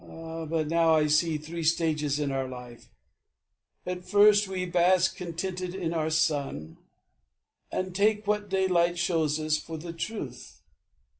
But now I see three stages in our life. At first, we bask contented in our sun And take what daylight shows us for the truth.